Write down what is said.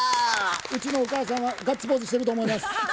うちのお母さんはガッツポーズしてると思います。